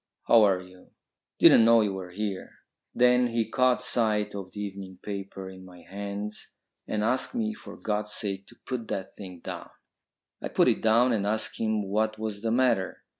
How are you! Didn't know you were here." Then he caught sight of the evening paper in my hands and asked me for God's sake to put that thing down. I put it down and asked him what was the matter.